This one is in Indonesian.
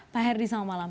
pak herdi selamat malam